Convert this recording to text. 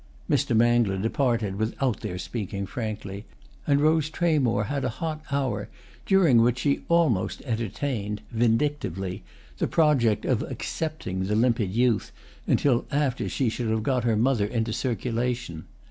'" Mr. Mangler departed without their speaking frankly, and Rose Tramore had a hot hour during which she almost entertained, vindictively, the project of "accepting" the limpid youth until after she should have got her mother into circulation.